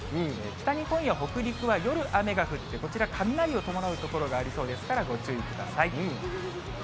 北日本や北陸は夜雨が降って、こちら、雷を伴う所がありそうですから、ご注意ください。